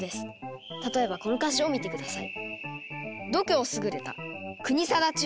例えばこの歌詞を見て下さい。